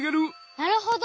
なるほど！